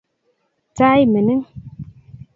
tai mining